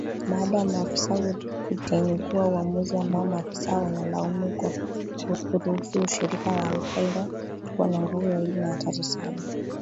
baada ya maafisa kutengua uamuzi ambao maafisa wanalaumu kwa kuruhusu ushirika wa al-Qaida kuwa na nguvu zaidi na hatari sana